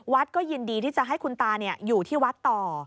ก็ยินดีที่จะให้คุณตาอยู่ที่วัดต่อ